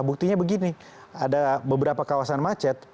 buktinya begini ada beberapa kawasan macet